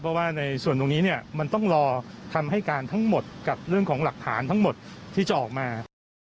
เพราะว่าในส่วนตรงนี้เนี่ยมันต้องรอคำให้การทั้งหมดกับเรื่องของหลักฐานทั้งหมดที่จะออกมา